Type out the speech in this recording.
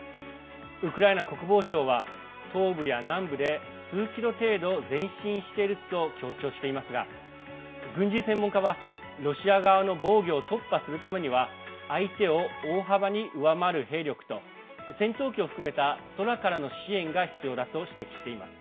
ウクライナ国防省は東部や南部で数キロ程度前進していると強調していますが軍事専門家は、ロシア側の防御を突破するためには相手を大幅に上回る兵力と戦闘機を含めた空からの支援が必要だと指摘しています。